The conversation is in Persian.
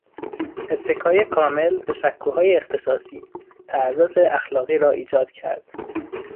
اتکای کامل به سکوهای اختصاصی، تعارض اخلاقی را ایجاد کرد